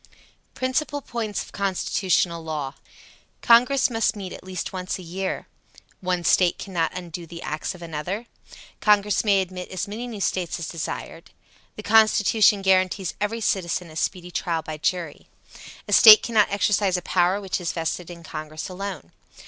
PRINCIPAL POINTS OF CONSTITUTIONAL LAW. Congress must meet at least once a year. One State cannot undo the acts of another. Congress may admit as many new States as desired. The Constitution guarantees every citizen a speedy trial by jury. A State cannot exercise a power which is vested in Congress alone.